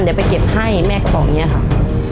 เดี๋ยวไปเก็บให้แม่ก็บอกเนี่ยค่ะ